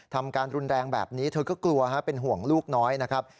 ทำการรุนแรงแบบนี้เธอก็กลัวเป็นห่วงลูกน้อยนะครับ